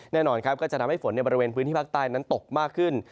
แน่นอนครับก็จะทำให้ฝนในบริเวณพื้นที่ภาคใต้นั้นตกมากขึ้น